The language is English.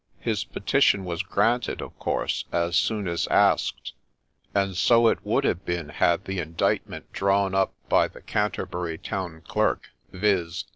His petition was granted, of course, as soon as asked ; and so it would have been had the indictment drawn up by the Canter bury town clerk, viz.